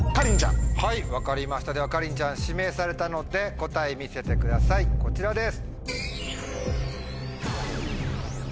はい分かりましたではかりんちゃん指名されたので答え見せてくださいこちらです。